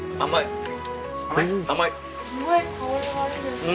すごい香りがいいです。